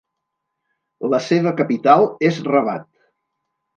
La seva capital és Rabat.